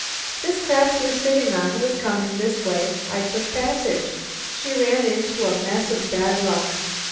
This craft we're sitting on was coming this way. I took passage. She ran into a mess of bad luck.